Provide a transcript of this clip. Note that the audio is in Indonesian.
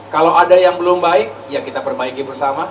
kalau ada yang belum baik ya kita perbaiki bersama